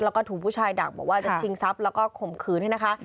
แล้วก็ถูกผู้ชายดักบอกว่าจะชิงทรัพย์แล้วก็ข่มขืนให้นะคะ